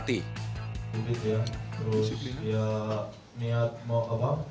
sedikit ya terus dia niat mau apa